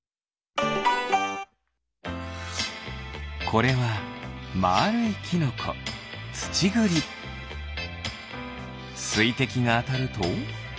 これはまあるいキノコすいてきがあたると？